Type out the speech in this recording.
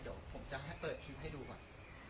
เดี๋ยวผมจะให้เปิดคลิปให้ดูก่อน